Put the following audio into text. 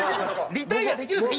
リタイアできるんですか？